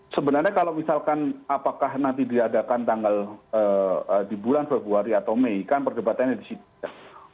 sebenarnya kalau misalkan apakah nanti diadakan tanggal di bulan februari atau mei kan perdebatannya di situ ya